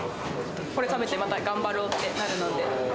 これ食べてまた頑張ろうってなるので。